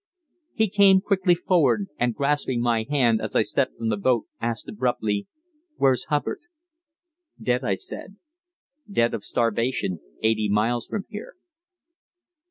He came quickly forward, and, grasping my hand as I stepped from the boat, asked abruptly: "Where's Hubbard?" "Dead," I said. "Dead of starvation eighty miles from here."